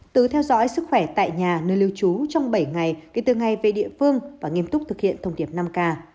từ theo dõi sức khỏe tại nhà nơi lưu trú trong bảy ngày kể từ ngày về địa phương và nghiêm túc thực hiện thông điệp năm k